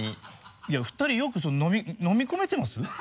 いや２人よく飲み込めてます？